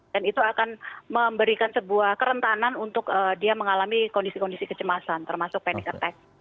dan itu akan memberikan sebuah kerentanan untuk dia mengalami kondisi kondisi kecemasan termasuk panic attack